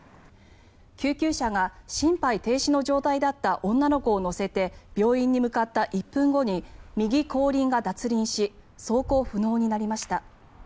救急車が心肺停止の状態だった女の子を乗せて病院に向かった１分後に右後輪が脱輪し走行不能になりました。